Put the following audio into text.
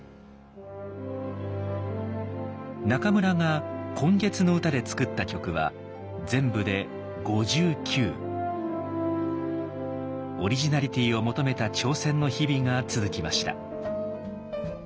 中村が「今月の歌」で作った曲は全部でオリジナリティーを求めた挑戦の日々が続きました。